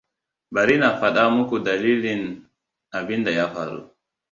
Bari na faɗa muku dalilin abinda ya faru.